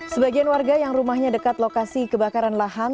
sebagian warga yang rumahnya dekat lokasi kebakaran lahan